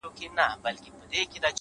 پوهه د انتخابونو شمېر زیاتوي،